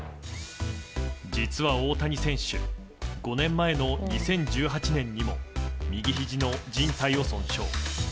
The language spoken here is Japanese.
実は、大谷選手５年前の２０１８年にも右ひじのじん帯を損傷。